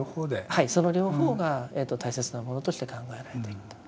はいその両方が大切なものとして考えられていると。